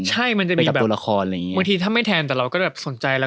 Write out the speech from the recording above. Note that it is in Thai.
ใช่ถ้าไม่แทนเราก็สนใจ